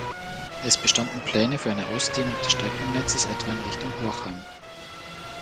Es bestanden Pläne für eine Ausdehnung des Streckennetzes etwa in Richtung Horchheim.